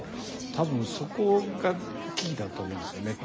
多分そこがキーだと思うんですよね。